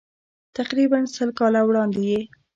تقریباً سل کاله وړاندې یې.